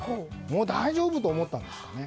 もう大丈夫と思ったんでしょうね。